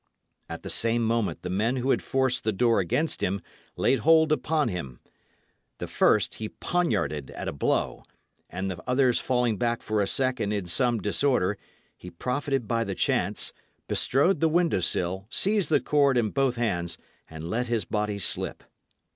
At the same moment the men who had forced the door against him laid hold upon him. The first he poinarded at a blow, and the others falling back for a second in some disorder, he profited by the chance, bestrode the window sill, seized the cord in both hands, and let his body slip.